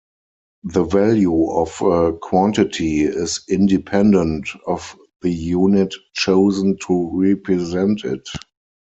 The value of a quantity is independent of the unit chosen to represent it.